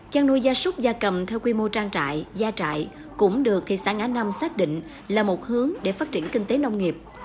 chàng nuôi da súc da cầm theo quy mô trang trại da trại cũng được thị xã ngã năm xác định là một hướng để phát triển kinh tế nông nghiệp